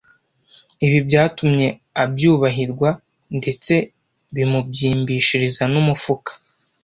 ibi byatumye abyubahirwa ndetse bimubyimbishiriza n’umufuka